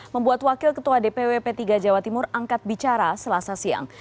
membuat wakil ketua dpw p tiga jawa timur angkat bicara selasa siang